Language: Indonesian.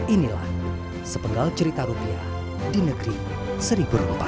inilah sepenggal cerita rupiah di negeri seribu rupa